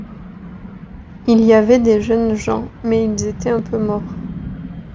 Il y avait des jeunes gens, mais ils étaient un peu morts.